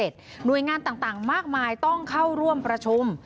หน่วยงานต่างมากมายต้องเข้าร่วมประชุม